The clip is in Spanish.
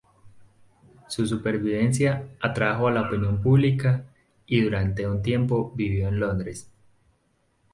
Su supervivencia atrajo a la opinión pública y durante un tiempo vivió en Londres.